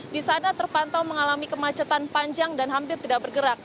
di sana terpantau mengalami kemacetan panjang dan hampir tidak bergerak